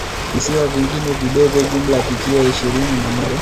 Visiwa vingine vidogo jumla vikiwa ishirini na moja